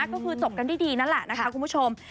ก็คือจบกันด้วยดีนั่นแหละนะคะคุณผู้ชม